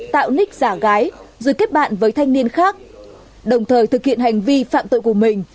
tạo ních giả gái rồi kết bạn với thanh niên khác đồng thời thực hiện hành vi phạm tội của mình